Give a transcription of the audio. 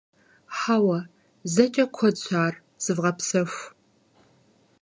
Хьэуэ, зэкӀэ куэдщ ар. Зывгъэпсэху.